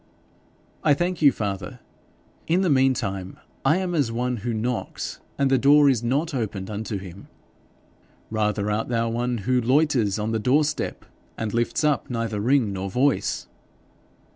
'I thank you, father, In the meantime I am as one who knocks, and the door is not opened unto him.' 'Rather art thou as one who loiters on the door step, and lifts up neither ring nor voice.'